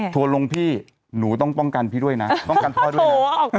ลงพี่หนูต้องป้องกันพี่ด้วยนะป้องกันพ่อด้วยนะ